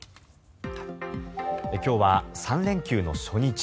今日は３連休の初日。